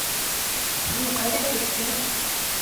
— Һин ҡайҙа киттең?